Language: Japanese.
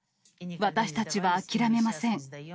私たちは諦めません。